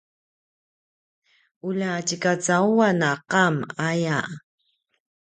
ulja tjekacauan a qam aya